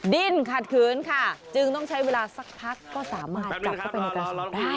ดิ้นขัดขืนค่ะจึงต้องใช้เวลาสักพักก็สามารถจับเข้าไปในกระสอบได้